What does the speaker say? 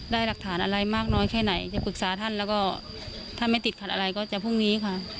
หลักฐานอะไรมากน้อยแค่ไหนจะปรึกษาท่านแล้วก็ถ้าไม่ติดขัดอะไรก็จะพรุ่งนี้ค่ะ